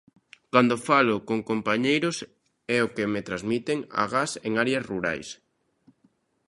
Cando falo con compañeiros é o que me transmiten, agás en áreas rurais.